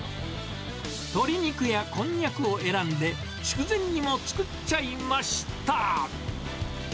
鶏肉やこんにゃくを選んで、筑前煮も作っちゃいました。